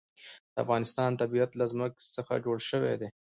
د افغانستان طبیعت له ځمکه څخه جوړ شوی دی.